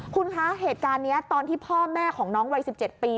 คุณคะเหตุการณ์นี้ตอนที่พ่อแม่ของน้องวัย๑๗ปี